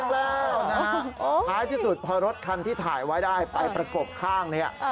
แล้วนะฮะท้ายที่สุดพอรถคันที่ถ่ายไว้ได้ไปประกบข้างเนี่ย